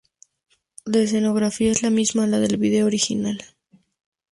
La escenografía es la misma a la del video original.